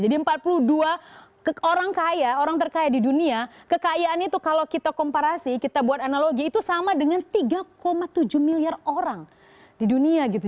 jadi empat puluh dua orang kaya orang terkaya di dunia kekayaan itu kalau kita komparasi kita buat analogi itu sama dengan tiga tujuh miliar orang di dunia gitu